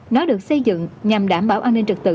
nó được xây dựng nhằm đảm bảo an ninh trật tự